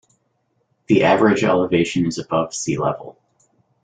The average elevation is above sea level.